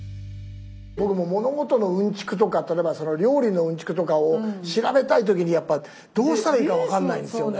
僕物事のウンチクとか例えば料理のウンチクとかを調べたい時にやっぱどうしたらいいか分かんないんすよね。